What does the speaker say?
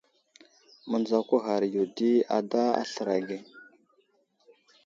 Mənzako ghar yo di ada aslər age.